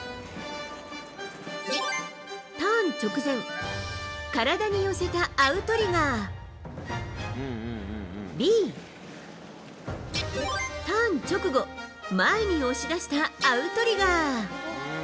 Ａ、ターン直前体に寄せたアウトリガーＢ、ターン直後前に押し出したアウトリガー。